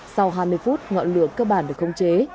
sau hai mươi phút ngọn lửa cơ bản được không chế